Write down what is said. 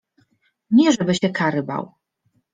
Nie, żeby się kary bał.